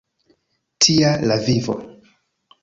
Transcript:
Tia la vivo!